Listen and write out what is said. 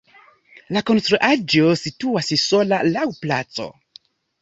La konstruaĵo situas sola laŭ placo.